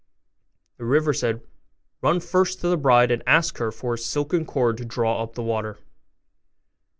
The river said, 'Run first to the bride, and ask her for a silken cord to draw up the water.